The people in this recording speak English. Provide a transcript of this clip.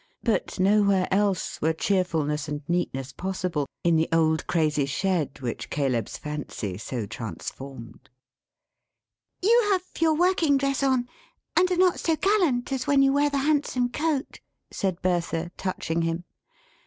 But nowhere else, were cheerfulness and neatness possible, in the old crazy shed which Caleb's fancy so transformed. "You have your working dress on, and are not so gallant as when you wear the handsome coat?" said Bertha, touching him.